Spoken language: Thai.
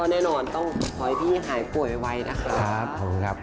แน่นอนต้องขอให้พี่หายป่วยไวนะครับ